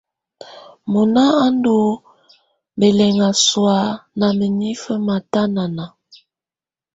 Mɔ̀nà à ndù bɛlɛna sɔ̀á nà mǝ́nifǝ́ matanana.